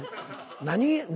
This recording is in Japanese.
何？